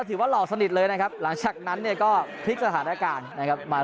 สวัสดีครับ